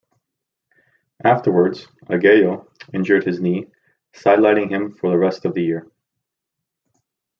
Afterwards, Aguayo injured his knee, sidelining him for the rest of the year.